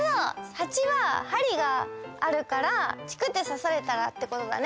ハチはハリがあるからチクッてさされたらってことだね。